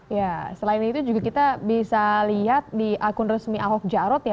ya selain itu juga kita bisa lihat di akun resmi ahok jarot ya